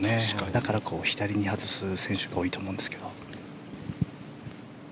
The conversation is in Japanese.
だから、左に外す選手が多いと思います。